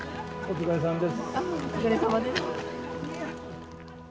お疲れさまです。